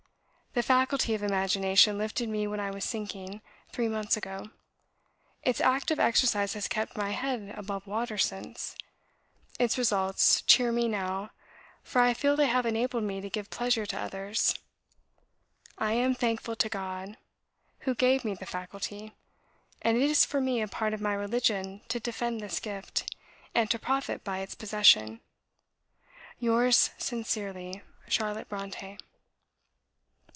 The faculty of imagination lifted me when I was sinking, three months ago; its active exercise has kept my head above water since; its results cheer me now, for I feel they have enabled me to give pleasure to others. I am thankful to God, who gave me the faculty; and it is for me a part of my religion to defend this gift, and to profit by its possession. Yours sincerely, "CHARLOTTE BRONTË."